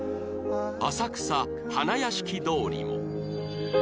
浅草花やしき通りも